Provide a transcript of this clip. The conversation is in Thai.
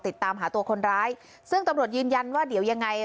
ติดตามหาตัวคนร้ายซึ่งตำรวจยืนยันว่าเดี๋ยวยังไง